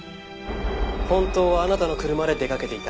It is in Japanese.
本当はあなたの車で出かけていた。